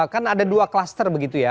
kan ada dua klaster begitu ya